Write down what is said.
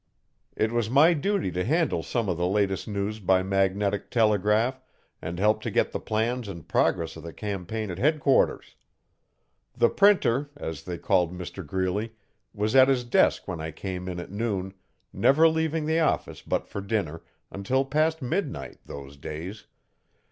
It was my duty to handle some of 'the latest news by magnetic telegraph', and help to get the plans and progress of the campaign at headquarters. The Printer, as they called Mr Greeley, was at his desk when I came in at noon, never leaving the office but for dinner, until past midnight, those days.